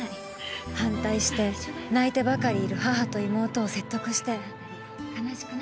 反対して泣いてばかりいる母と妹を説得して。